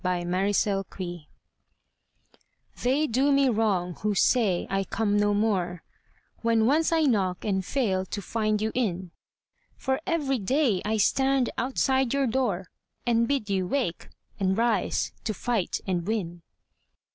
OPPORTUNITY They do me wrong who say I come no more When once I knock and fail to find you in ; For every day I stand outside your door, And bid you wake, and rise to fight and win.